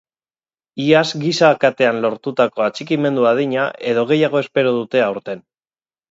Iaz giza katean lortutako atxikimendu adina, edo gehiago espero dute aurten.